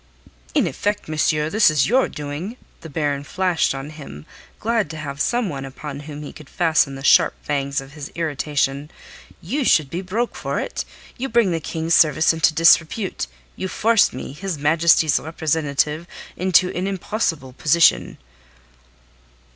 "In effect, monsieur, this is your doing," the Baron flashed on him, glad to have some one upon whom he could fasten the sharp fangs of his irritation. "You should be broke for it. You bring the King's service into disrepute; you force me, His Majesty's representative, into an impossible position."